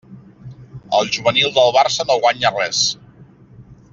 El juvenil del Barça no guanya res.